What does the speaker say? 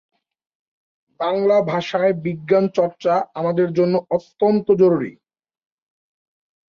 এই জায়গা থেকে আল-কাদরি একটি নতুন সালতানাত প্রতিষ্ঠা করেছিলেন।